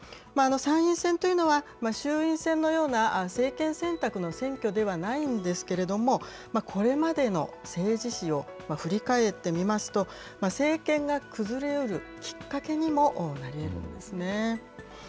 参院選というのは、衆院選のような政権選択の選挙ではないんですけれども、これまでの政治史を振り返ってみますと、政権が崩れうるきっかけにもなりえるんですね。